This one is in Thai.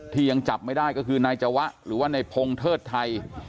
ยังจับไม่ได้ก็คือนายจวะหรือว่าในพงเทิดไทย